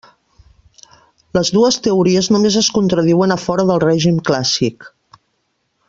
Les dues teories només es contradiuen a fora del règim clàssic.